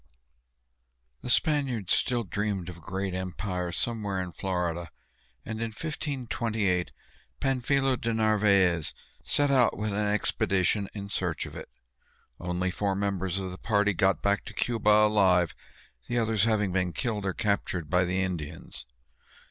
The Spaniards still dreamed of a great empire somewhere in Florida, and in 1528 Pánfilo de Narvaez set out with an expedition in search of it. Only four members of the party got back to Cuba alive, the others having been killed or captured by the Indians.